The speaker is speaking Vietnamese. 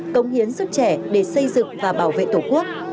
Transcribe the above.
công hiến sức trẻ để xây dựng và bảo vệ tổ quốc